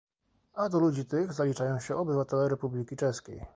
A do ludzi tych zaliczają się obywatele Republiki Czeskiej